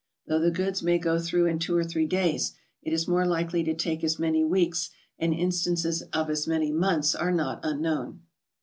Though the goods may go through in two or three days, it is more likely to take as many weeks, and instances of as many months are not un known.